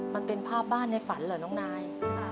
มันเป็นภาพบ้านในฝันเหรอน้องนาย